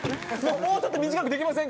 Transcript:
「もうちょっと短くできませんか？」